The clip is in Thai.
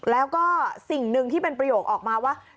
แล้วก็สิ่งหนึ่งที่เป็นประโยคออกมาว่า